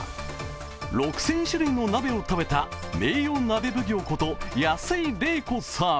６０００種類の鍋を食べた名誉鍋奉行こと安井レイコさん。